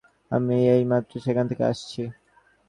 আমি এইমাত্র সেখান থেকে আসছি।